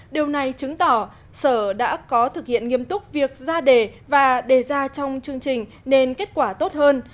điều này chứng tỏ sở đã có thực hiện nghiêm túc việc ra đề và đề ra trong chương trình nên kết quả tốt hơn